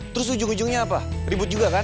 terus ujung ujungnya apa ribut juga kan